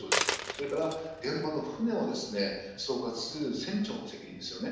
それから現場の船を総括する船長の責任です。